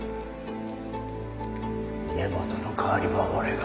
根本の代わりは俺が。